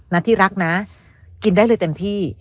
ที่รักนะกินได้เลยเต็มที่